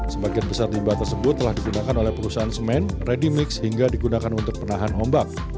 sebagian besar limbah tersebut telah digunakan oleh perusahaan semen ready mix hingga digunakan untuk penahan ombak